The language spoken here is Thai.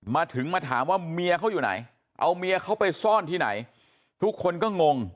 มาถึงมาถามว่าเมียเขาอยู่ไหนเอาเมียเขาไปซ่อนที่ไหนทุกคนก็งง